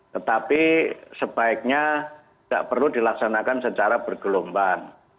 tetapi sebaiknya tidak perlu dilaksanakan secara bergelombang